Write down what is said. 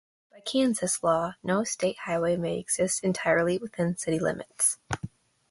By Kansas law, no state highway may exist entirely within city limits.